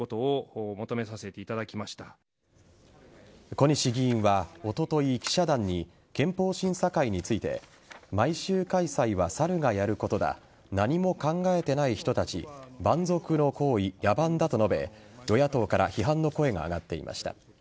小西議員はおととい、記者団に憲法審査会について毎週開催は猿がやることだ何も考えていない人たち蛮族の行為、野蛮だと述べ与野党から批判の声が上がっていました。